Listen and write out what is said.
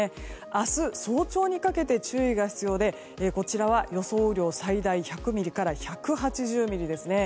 明日、早朝にかけて注意が必要でこちらは予想雨量最大１００ミリから１８０ミリですね。